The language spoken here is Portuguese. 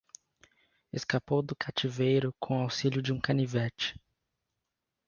Escapou do cativeiro com auxílio de um canivete